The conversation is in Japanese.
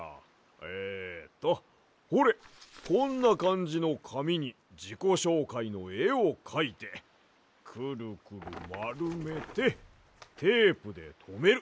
えっとほれこんなかんじのかみにじこしょうかいのえをかいてクルクルまるめてテープでとめる。